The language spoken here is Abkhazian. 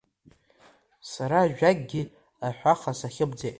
Сара ажәакгьы аҳәаха сахьымӡеит…